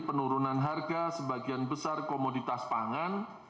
penurunan harga sebagian besar komoditas pangan